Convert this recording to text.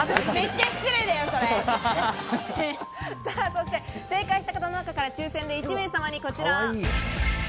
そして正解した方の中から抽選で１名様にこちら。